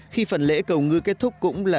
khi phần lễ cầu ngư kết thúc cũng là